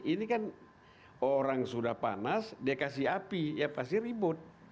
ini kan orang sudah panas dia kasih api ya pasti ribut